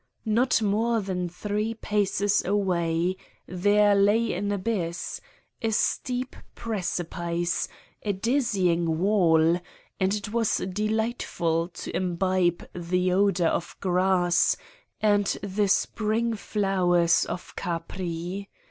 Not more than three paces away there lay an abyss, a steep precipice, a dizzying wall, and it was delightful to imbibe the odor of grass and the Spring flowers of Capri.